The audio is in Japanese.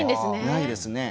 ないですね。